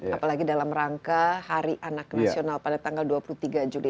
apalagi dalam rangka hari anak nasional pada tanggal dua puluh tiga juli